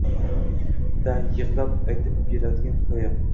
Da yig’lab aytib beriladigan hikoya